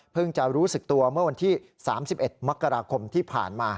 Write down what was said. จะรู้สึกตัวเมื่อวันที่๓๑มกราคมที่ผ่านมา